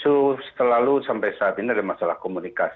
itu selalu sampai saat ini ada masalah komunikasi